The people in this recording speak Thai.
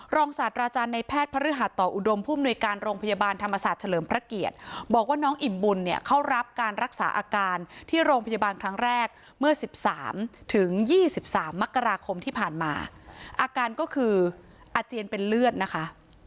ศาสตราจารย์ในแพทย์พระฤหัสต่ออุดมผู้มนุยการโรงพยาบาลธรรมศาสตร์เฉลิมพระเกียรติบอกว่าน้องอิ่มบุญเนี่ยเข้ารับการรักษาอาการที่โรงพยาบาลครั้งแรกเมื่อ๑๓ถึง๒๓มกราคมที่ผ่านมาอาการก็คืออาเจียนเป็นเลือดนะคะ